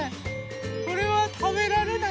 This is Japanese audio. これはたべられない？